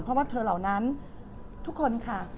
เพราะว่าเธอเหล่านั้นทุกคนค่ะ